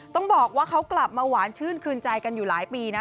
ต้องบอกว่าเขากลับมาหวานชื่นคืนใจกันอยู่หลายปีนะ